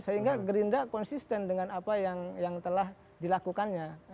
sehingga gerindra konsisten dengan apa yang telah dilakukannya